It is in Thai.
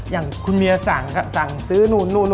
อย่างคุณเหมือนสั่งสั่งซื้อนู่น